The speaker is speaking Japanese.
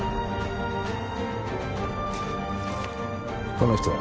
この人は？